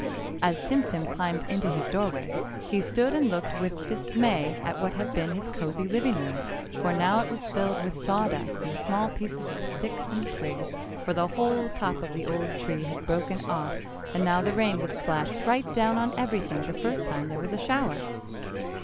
As Tim Tim climbed into his doorway, he stood and looked with dismay at what had been his cozy living room, for now it was filled with sawdust and small pieces of sticks and twigs, for the whole top of the old tree had broken off and now the rain would splash right down on everything the first time there was a shower.